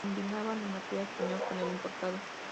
Combinaba el material español con el importado.